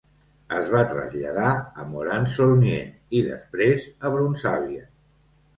Es va traslladar a Morane-Saulnier i, després, a Bronzavia.